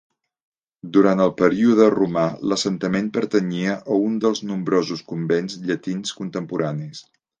Durant el període romà, l'assentament pertanyia a un dels nombrosos convents llatins contemporanis.